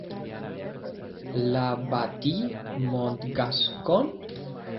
La Bâtie-Montgascon